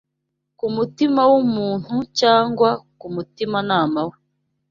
ku mutima w’umuntu cyangwa ku mutimanama we